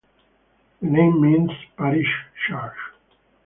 The name means "parish church".